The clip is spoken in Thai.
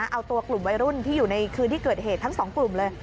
เอาตัวกลุ่มวัยรุ่นที่อยู่ในคืนที่เกิดเหตุทั้งสองกลุ่มเลย